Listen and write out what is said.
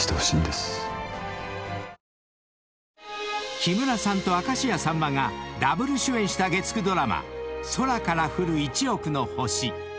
［木村さんと明石家さんまがダブル主演した月９ドラマ『空から降る一億の星』］